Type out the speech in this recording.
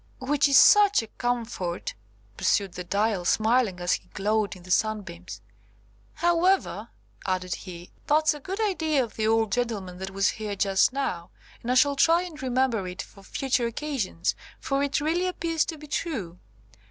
"Which is such a comfort," pursued the Dial, smiling as he glowed in the sunbeams. "However," added he, that' s a good idea of the old gentleman that was here just now, and I shall try and remember it for future occasions, for it really appears to be true.